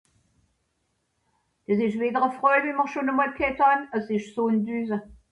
sùn drusse